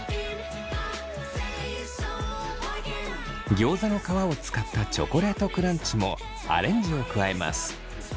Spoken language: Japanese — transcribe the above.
ギョーザの皮を使ったチョコレートクランチもアレンジを加えます。